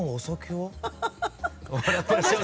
はい。